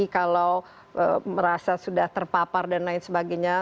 kalau merasa sudah terpapar dan lain sebagainya